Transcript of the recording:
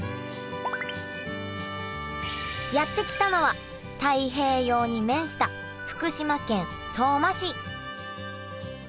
やって来たのは太平洋に面した福島県相馬市。